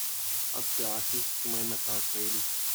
Add the artist to my Metal playlist.